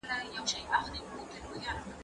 هغه وويل چي لوښي مينځل مهم دي!.